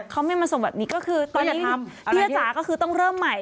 เขาไม่มาส่งแบบนี้ก็คือตอนจะทำพี่อาจ๋าก็คือต้องเริ่มใหม่